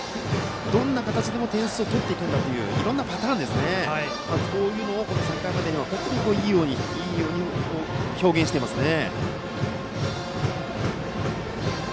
どんな形でも点数を取っていくんだといういろんなパターンをこの３回までいいように、いいように表現していますよね。